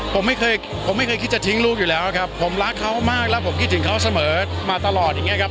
ผมไม่เคยผมไม่เคยคิดจะทิ้งลูกอยู่แล้วครับผมรักเขามากแล้วผมคิดถึงเขาเสมอมาตลอดอย่างเงี้ครับ